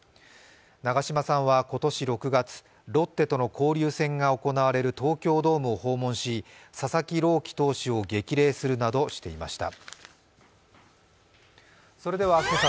長嶋さんは今年６月、ロッテとの交流戦が行われる東京ドームを訪問し、佐々木朗希投手を激励するなどしていました。